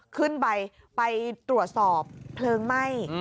ขึ้นไปไปตรวจสอบเพลิงไหม้